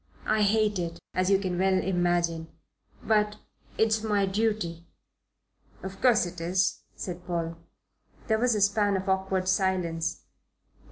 I hate it, as you can well imagine. But it's my duty." "Of course it is," said Paul. There was a span of awkward silence.